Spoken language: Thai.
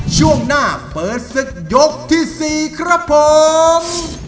ช่วงหน้าเปิดศึกยกที่๔ครับผม